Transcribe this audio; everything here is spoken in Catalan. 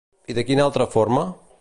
I de quina altra forma?